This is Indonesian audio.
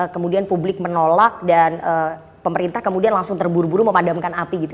kemudian publik menolak dan pemerintah kemudian langsung terburu buru memadamkan api gitu